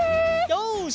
よし！